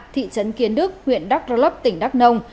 thị trấn kiến đức huyện đắk rơ lấp tỉnh đắk nông